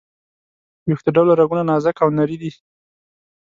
ویښته ډوله رګونه نازکه او نري دي.